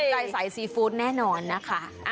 ไก่ใสซีฟู้ดแน่นอนนะคะ